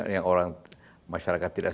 yang orang masyarakat tidak